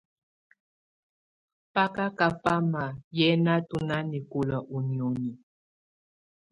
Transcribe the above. Bá ká kafamà yɛnatɔ̀ nanɛkɔ̀la ù nioni.